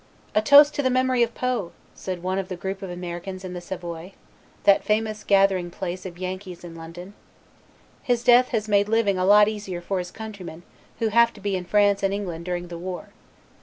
"'A toast to the memory of Poe,' said one of the group of Americans in the Savoy, that famous gathering place of Yankees in London. 'His death has made living a lot easier for his countrymen who have to be in France and England during the war.'"